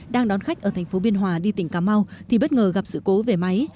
đang đón khách ở thành phố biên hòa đi tỉnh cà mau thì bất ngờ gặp sự cố về máy